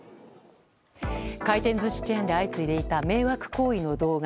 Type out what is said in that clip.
回転寿司チェーンで相次いでいた迷惑行為の動画。